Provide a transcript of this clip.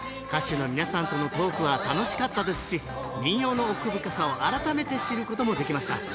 歌手の皆さんとのトークは楽しかったですし民謡の奥深さを改めて知ることもできました。